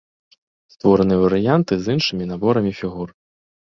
Створаныя варыянты з іншымі наборамі фігур.